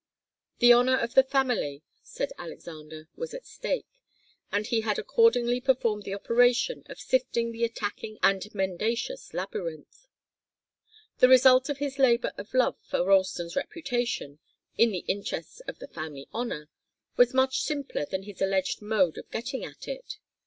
The honour of the family, said Alexander, was at stake, and he had accordingly performed the operation of sifting the attacking and mendacious labyrinth. The result of his labour of love for Ralston's reputation, in the interests of the family honour, was much simpler than his alleged mode of getting at it.